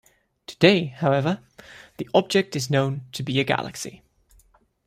Today, however, the object is known to be a galaxy.